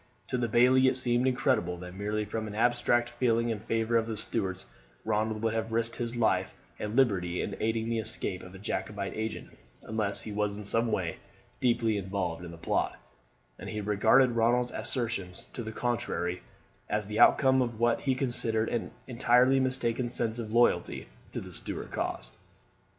To the bailie it seemed incredible that merely from an abstract feeling in favour of the Stuarts Ronald would have risked his life and liberty in aiding the escape of a Jacobite agent, unless he was in some way deeply involved in the plot; and he regarded Ronald's assurances to the contrary as the outcome of what he considered an entirely mistaken sense of loyalty to the Stuart cause.